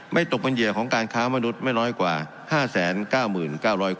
ตกเป็นเหยื่อของการค้ามนุษย์ไม่น้อยกว่า๕๙๙๐๐คน